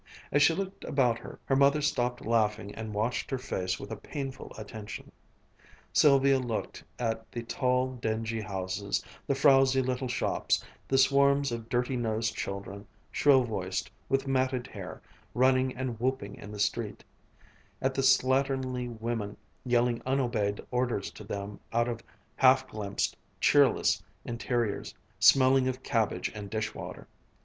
As she looked about her, her mother stopped laughing and watched her face with a painful attention. Sylvia looked at the tall, dingy houses, the frowzy little shops, the swarms of dirty nosed children, shrill voiced, with matted hair, running and whooping in the street, at the slatternly women yelling unobeyed orders to them out of half glimpsed, cheerless interiors, smelling of cabbage and dishwater.